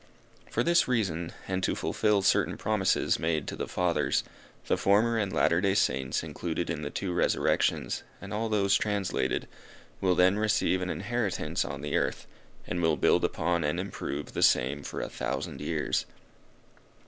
For this reason, and to fulfil certain promises made to the Fathers, the Former and Latter day Saints included in the two resurrections, and all those translated, will then receive an inheritance on the earth, and will build upon and improve the same for a thousand years.